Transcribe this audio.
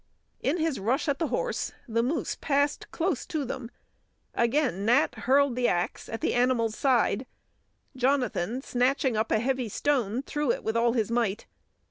In his rush at the horse, the moose passed close to them. Again Nat hurled the axe at the animal's side. Jonathan, snatching up a heavy stone, threw it with all his might.